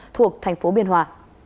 thuộc tp biên hòa